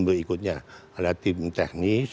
berikutnya ada tim teknis